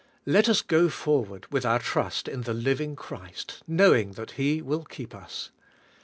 Let us go forward with our trust in the living Christ, knowing that He will keep us.